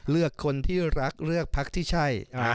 เลือกคนที่รักเลือกพักที่ใช่